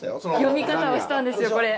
読み方をしたんですよこれ。